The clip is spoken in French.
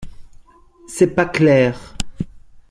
C’est pas clair.